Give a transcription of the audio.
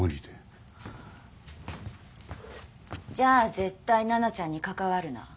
じゃあ絶対奈々ちゃんに関わるな。